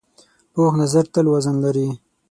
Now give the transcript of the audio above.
پوخ نظر تل وزن لري